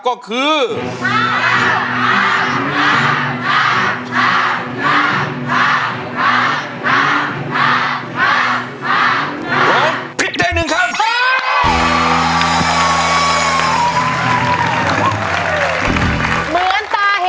แผ่นที่หนึ่งสองสามห้าหก